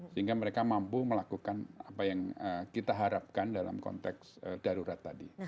sehingga mereka mampu melakukan apa yang kita harapkan dalam konteks darurat tadi